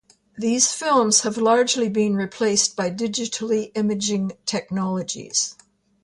These films have largely been replaced by digitally imaging technologies.